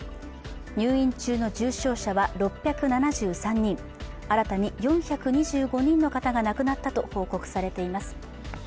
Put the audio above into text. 入院中の重症者は６７３人、新たに４２５人の方が亡くなったと報告されています。